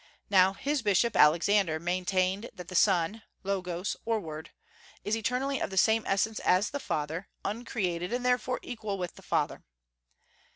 Now his bishop, Alexander, maintained that the Son (Logos, or Word) is eternally of the same essence as the Father, uncreated, and therefore equal with the Father.